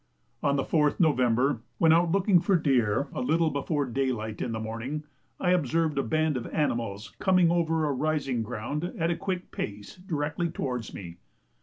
On the 4th November, when out looking for deer a little before day light in the morning, I observed a band of animals coming over a rising ground at a quick pace directly towards me.